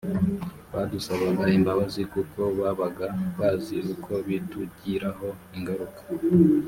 badusabaga imbabazi kuko babaga bazi uko bitugiraho ingaruka